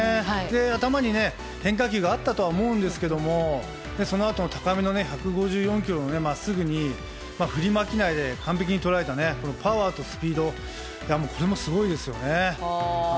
頭に変化球があったと思うんですけどそのあとの高めの１５４キロの真っすぐに振り負けないで完璧に捉えたパワーとスピードがすごいですよね。